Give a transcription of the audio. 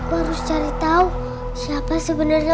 terima kasih ya pak benga